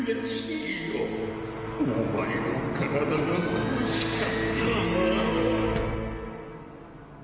お前の体が欲しかったなぁ。